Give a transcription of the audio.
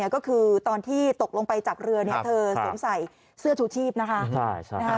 ก็คือตอนที่ตกลงไปจากเรือเธอสวมใส่เสื้อชูชีพนะคะ